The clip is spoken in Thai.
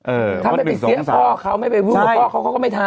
เออเขาไม่ไปเสียงพ่อเขาไม่ไปพูดพ่อเขาก็ไม่ทำ